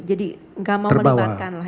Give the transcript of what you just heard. jadi tidak mau menyebabkan lah